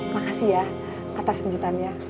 makasih ya atas kejutannya